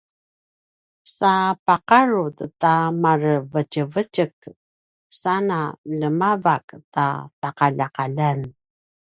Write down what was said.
sa paqarut ta marevetjevetjek sana ljemavak ta taqaljaqaljan